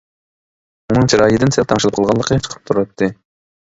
ئۇنىڭ چىرايىدىن سەل تەڭشىلىپ قالغانلىقى چىقىپ تۇراتتى.